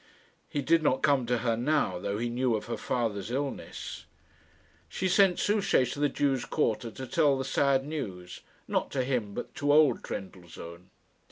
He did not come to her now, though he knew of her father's illness. She sent Souchey to the Jews' quarter to tell the sad news not to him, but to old Trendellsohn.